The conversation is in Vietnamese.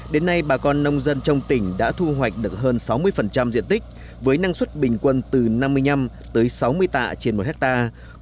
đến nay bà con nông dân trong tỉnh đã thu hoạch được hơn sáu mươi diện tích với năng suất bình quân từ năm mươi năm tới sáu mươi tạ trên một hectare